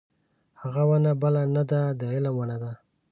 هغه ونه بله نه ده د علم ونه ده.